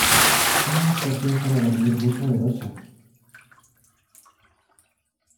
Una poción para dormir muy poderosa.